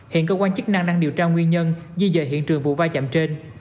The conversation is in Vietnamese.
hiện cơ quan chức năng đang điều tra nguyên nhân di dời hiện trường vụ va chạm trên